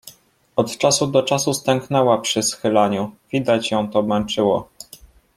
Od czasu do czasu stęknęła przy schylaniu, widać ją to męczyło.